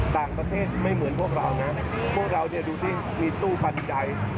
ต่างประเทศไม่เหมือนพวกเรานะพวกเราเนี่ยดูสิมีตู้ปันใจ